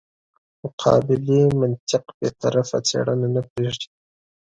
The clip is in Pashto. مقابلې منطق بې طرفه څېړنه نه پرېږدي.